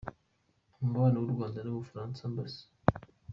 Ku mubano w’u Rwanda n’u Bufaransa, Amb.